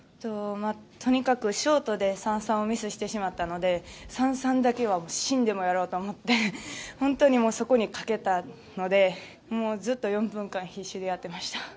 とにかくショートで３３をミスしてしまったので３３だけはもう死んでもやろうと思って本当にそこに懸けたのでもうずっと４分間必死でやってました。